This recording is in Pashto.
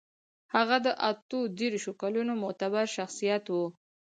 هغه د اتو دېرشو کلونو معتبر شخصيت و.